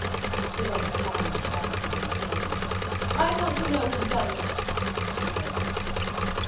She laid the fragments reverently on the table. "I want to know who done this," she quavered.